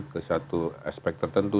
ke satu aspek tertentu